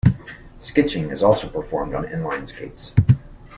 Skitching is also performed on inline skates.